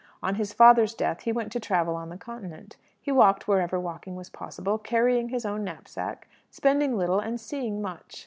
On his father's death he went to travel on the Continent. He walked wherever walking was possible, carrying his own knapsack, spending little, and seeing much.